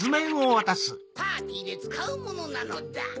パーティーでつかうものなのだ。